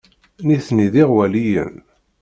Nitni d iɣwaliyen.